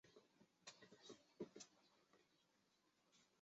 心理学家现在将这类研究称为采用策略。